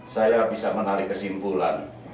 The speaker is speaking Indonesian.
saya bisa menarik kesimpulan